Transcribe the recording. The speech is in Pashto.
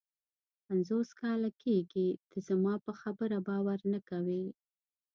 پنځوس کاله کېږي ته زما پر خبره باور نه کوې.